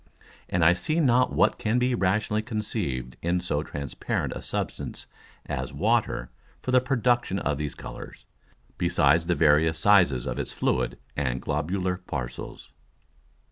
And I see not what can be rationally conceived in so transparent a Substance as Water for the production of these Colours, besides the various sizes of its fluid and globular Parcels.